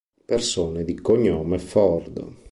Persone di cognome Ford